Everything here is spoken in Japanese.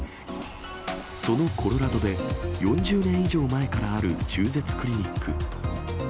そのコロラドで、４０年以上前からある中絶クリニック。